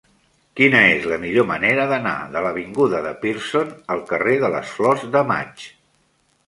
Quina és la millor manera d'anar de l'avinguda de Pearson al carrer de les Flors de Maig?